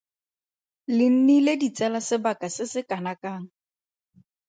Le nnile ditsala sebaka se se kanakang?